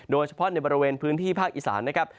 โดยเฉพาะในบริเวณพื้นที่ภาคอีสานนะครับ